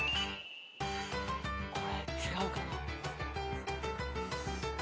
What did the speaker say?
これ違うかな？